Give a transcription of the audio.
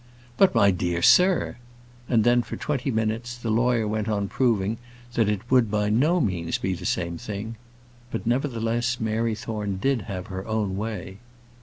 "But, my dear sir," and then, for twenty minutes, the lawyer went on proving that it would by no means be the same thing; but, nevertheless, Mary Thorne did have her own way.